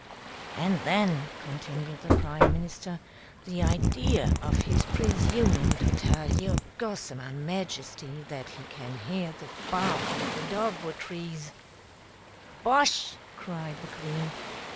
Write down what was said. "And then," continued the Prime Minister, "the idea of his presuming to tell your Gossamer Majesty that he can hear the bark of the dogwood trees" "Bosh!" cried the Queen.